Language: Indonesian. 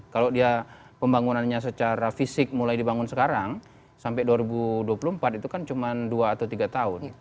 kalau dia pembangunannya secara fisik mulai dibangun sekarang sampai dua ribu dua puluh empat itu kan cuma dua atau tiga tahun